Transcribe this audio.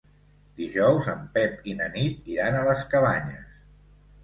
Dijous en Pep i na Nit iran a les Cabanyes.